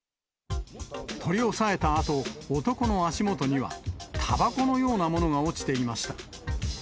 取り押さえたあと、男の足元にはたばこのようなものが落ちていました。